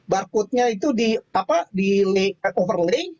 barcode nya itu di overling